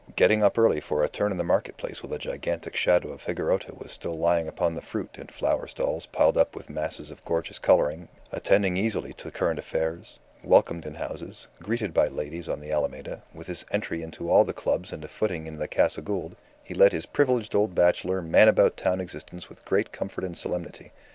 Getting up early for a turn in the market place while the gigantic shadow of Higuerota was still lying upon the fruit and flower stalls piled up with masses of gorgeous colouring, attending easily to current affairs, welcomed in houses, greeted by ladies on the Alameda, with his entry into all the clubs and a footing in the Casa Gould, he led his privileged old bachelor, man about town existence with great comfort and solemnity.